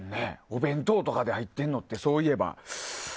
お弁当とかで入ってるのってそういえば。